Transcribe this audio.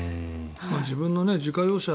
自分の自家用車